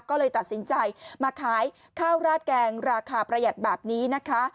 ก็เลยตัดสินใจมาขายข้าวราดแกงราคาประหยัดแบบนี้นะคะ